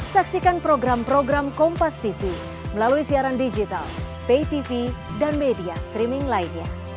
saksikan program program kompastv melalui siaran digital paytv dan media streaming lainnya